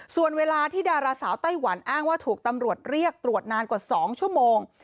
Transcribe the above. ส่วนเวลาที่ดาราสาวไต้หวันอ้างว่าถูกตำรวจเรียกตรวจนานกว่า๒ชั่วโมง